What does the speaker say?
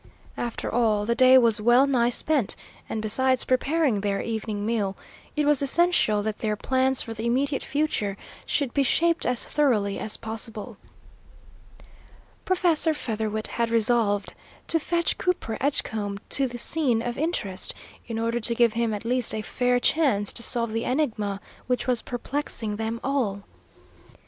After all, the day was well nigh spent, and, besides preparing their evening meal, it was essential that their plans for the immediate future should be shaped as thoroughly as possible. Professor Featherwit had resolved to fetch Cooper Edgecombe to the scene of interest, in order to give him at least a fair chance to solve the enigma which was perplexing them all.